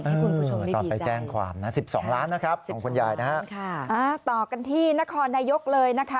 ที่คุณผู้ชมดีใจต่อกันที่นครนายกเลยนะคะ